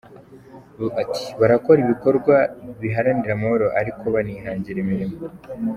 Ati"Barakora ibikorwa biharanira amahoro ariko banihangira imirimo.